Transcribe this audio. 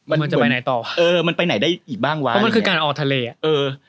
มันมันจะไปไหนต่อเออมันไปไหนได้อีกบ้างวะเพราะมันคือการออกทะเลอ่ะเออ